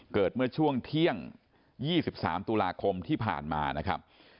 เกิดเมื่อช่วงเที่ยง๒๓ตุลาคมที่ผ่านมานะครับ